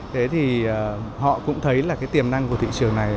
thế thì họ cũng thấy tiềm năng của thị trường này